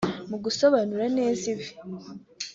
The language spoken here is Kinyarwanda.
Mu gusobanura neza ibi